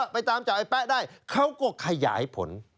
ไปตามจับไอ้แป๊ะได้เขาก็ขยายผล